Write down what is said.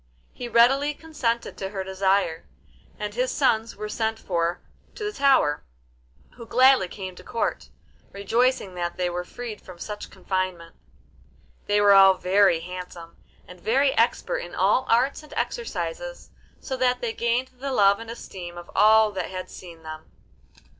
He readily consented to her desire, and his sons were sent for to the tower, who gladly came to Court, rejoicing that they were freed from such confinement. They were all very handsome, and very expert in all arts and exercises, so that they gained the love and esteem of all that had seen them.